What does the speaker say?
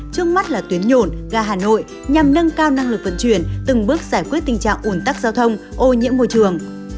trước mắt là tuyến nhổn ga hà nội nhằm nâng cao năng lực vận chuyển từng bước giải quyết tình trạng ủn tắc giao thông ô nhiễm môi trường